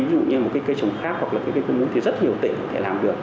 ví dụ như một cây trồng khác hoặc là cái cây cung ứng thì rất nhiều tỉnh có thể làm được